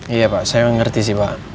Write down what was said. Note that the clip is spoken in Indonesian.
iya pak saya mengerti sih pak